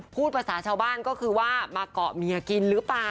พูดภาษาชาวบ้านก็คือว่ามาเกาะเมียกินหรือเปล่า